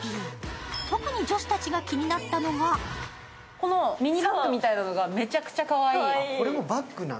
特に女子たちが気になったのがこのミニバッグみたいなのがとってもかわいい。